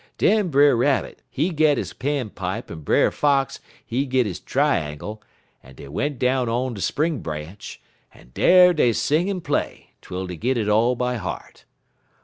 "Den Brer Rabbit, he git he quills en Brer Fox he git he tr'angle, en dey went down on de spring branch, en dar dey sing en play, twel dey git it all by heart.